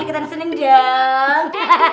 kita seneng dong